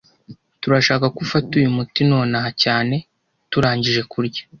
Turashaka ko ufata uyu muti nonaha cyane Turangije kurya.